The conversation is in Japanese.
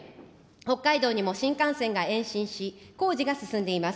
北海道にも新幹線が延伸し、工事が進んでいます。